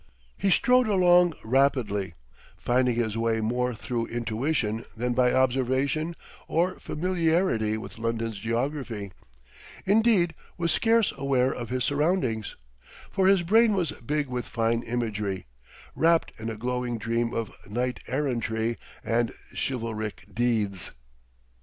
He strode along rapidly, finding his way more through intuition than by observation or familiarity with London's geography indeed, was scarce aware of his surroundings; for his brain was big with fine imagery, rapt in a glowing dream of knighterrantry and chivalric deeds.